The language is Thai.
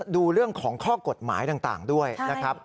ดูเรื่องของข้อกฎหมายต่างด้วยนะครับ